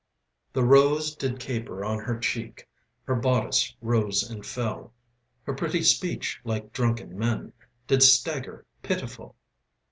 The rose did caper on her cheek, Her bodice rose and fell, Her pretty speech, like drunken men, Did stagger pitiful.